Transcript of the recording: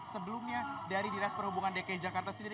sebelumnya dari dinas perhubungan dki jakarta sendiri